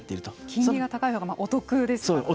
金利が高いほうがお得ですからね。